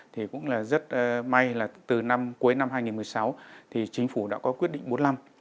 thì cũng là rất may là từ cuối năm hai nghìn một mươi sáu thì chính phủ đã có quyết định bốn mươi năm